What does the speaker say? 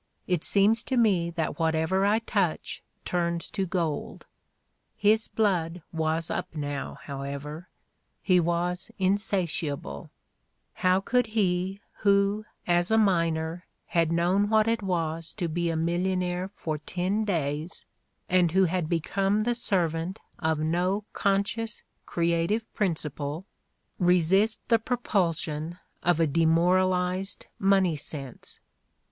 It seems to me that whatever I touch turns to gold." His blood was up now, however; he was insatiable; how could he who, as a miner, had known what it was to be a "millionaire for ten days," and who had become the servant of no conscious creative principle, resist the propulsion of a demoralized money sense